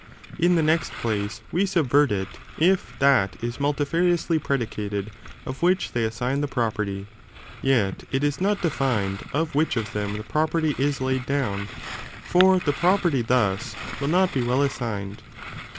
3. Also if In the next place, we subvert it if that is mul . ας Ἂς pre. tifariously predicated, of which they assign the dication of the property, yet it is not defined, of which of them ounce the property is laid down, for the property (thus), will not be well assigned.